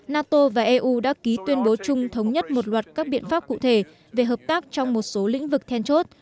nato và eu đã ký tuyên bố chung thống nhất một loạt các biện pháp cụ thể về hợp tác trong một số lĩnh vực then chốt